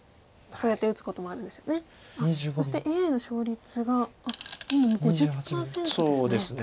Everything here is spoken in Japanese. そしてＡＩの勝率があっもう５０％ですね。